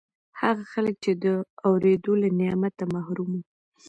هغه خلک چې د اورېدو له نعمته محروم وو